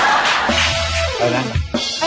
ขอบคุณนะคะ